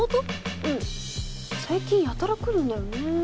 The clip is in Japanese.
うん最近やたら来るんだよね。